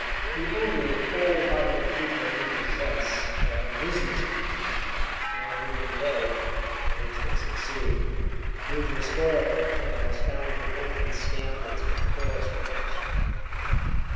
The only whole hearted people we possess are our business men, and even they, once they succeed, usually spoil the picture by astounding open scandals with chorus girls."